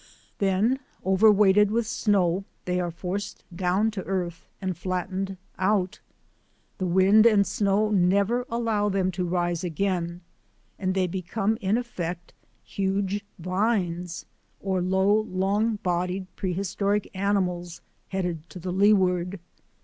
Then overweighted with snow, they are forced down to earth and flattened out. The wind and snow never allow them to rise again, and they be come in effect huge vines or low, long bodied, pre TREES AT TIMBERLINE 69 historic animals headed to the leeward.